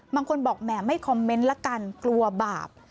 บางคนบอกแหมไม่คอมเมนต์ละกันกลัวบาป